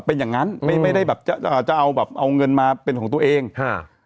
เป็นอย่างงั้นไม่ไม่ได้แบบจะอ่าจะเอาแบบเอาเงินมาเป็นของตัวเองฮะ